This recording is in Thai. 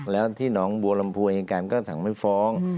แล้วที่น้องบูอะรำภูเหมือนกันเขาก็สั่งไม้ฟ้อง